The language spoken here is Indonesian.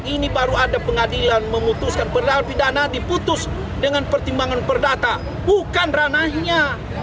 ini baru ada pengadilan memutuskan padahal pidana diputus dengan pertimbangan perdata bukan ranahnya